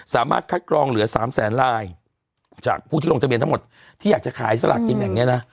สามารถคัดกรองเหลือสามแสนลายจากผู้ที่ลงทะเบียนทั้งหมดที่อยากจะขายสลากกินแบ่งเนี้ยนะ